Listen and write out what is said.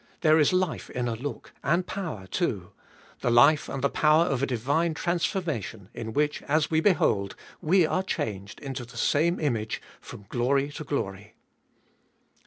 There is life in a look, and power too ; the life and the power of a divine transformation, in which, as we behold, we are changed into the same image from glory to glory.